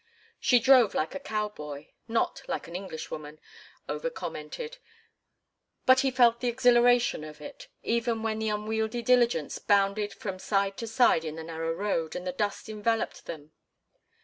She drove like a cowboy, not like an Englishwoman, Over commented, but he felt the exhilaration of it, even when the unwieldy diligence bounded from side to side in the narrow road and the dust enveloped them.